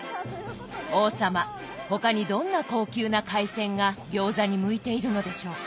王様他にどんな高級な海鮮が餃子に向いているのでしょうか？